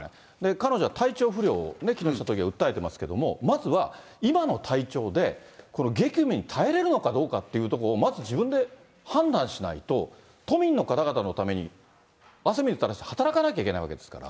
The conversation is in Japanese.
彼女は体調不良を、木下都議は訴えてますけども、まずは、今の体調でこの激務に耐えれるのかどうかっていうところをまず自分で判断しないと、都民の方々のために汗水たらして働かなきゃいけないわけですから。